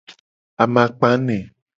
Amakpa ene.